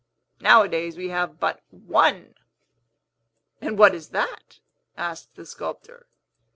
Nowadays we have but one!" "And what is that?" asked the sculptor.